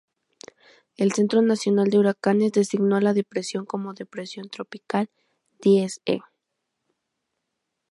El Centro Nacional de Huracanes designó a la depresión como "depresión tropical Diez-E".